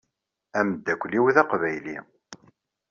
Ameddakel-iw d aqbayli.